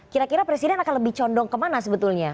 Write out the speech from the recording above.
kira kira presiden akan lebih condong kemana sebetulnya